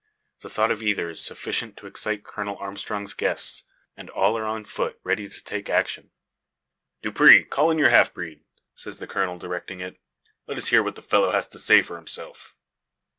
The thought of either is sufficient to excite Colonel Armstrong's guests, and all are on foot ready to take action. "Dupre, call in your half breed!" says the Colonel, directing it. "Let us hear what the fellow has to say for himself."